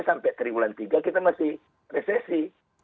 sampai tribulan tiga kita masih resesi